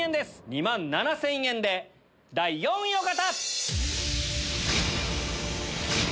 ２万７０００円で第４位の方！